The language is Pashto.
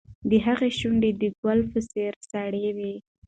د هغې شونډې د ګل په څېر سرې وې.